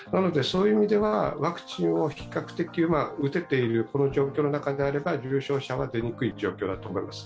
なので、ワクチンを比較的打てているこの状況の中であれば、重症者は出にくい状況だと思います。